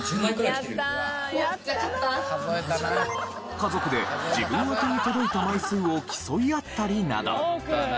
家族で自分宛てに届いた枚数を競い合ったりなど。